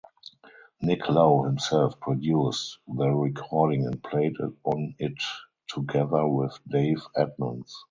Nick Lowe himself produced the recording and played on it together with Dave Edmunds.